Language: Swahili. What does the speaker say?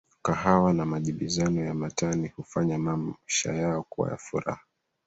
Kahawa na majibizano ya matani hufanya maisha yao kuwa ya furaha